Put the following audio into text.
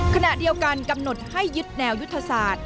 ขณะเดียวกันกำหนดให้ยึดแนวยุทธศาสตร์